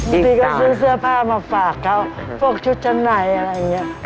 บี๊ก็ซื้อเสื้อผ้ามาฝากเขาฝั่งชุดแทนอะไรอย่างนี้